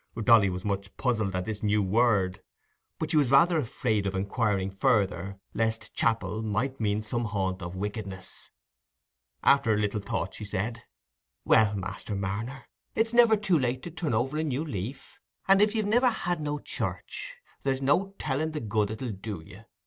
Dolly was much puzzled at this new word, but she was rather afraid of inquiring further, lest "chapel" might mean some haunt of wickedness. After a little thought, she said— "Well, Master Marner, it's niver too late to turn over a new leaf, and if you've niver had no church, there's no telling the good it'll do you.